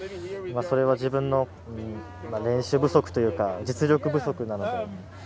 それは自分の練習不足というか実力不足なので。